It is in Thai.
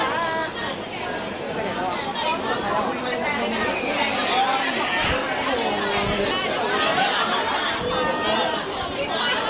หรือบอกนะพี่ที่สาวอยากดู